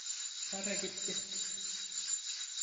Para gitti.